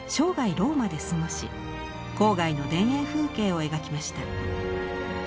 ローマで過ごし郊外の田園風景を描きました。